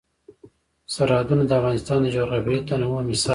سرحدونه د افغانستان د جغرافیوي تنوع مثال دی.